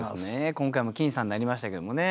今回も僅差になりましたけれどもね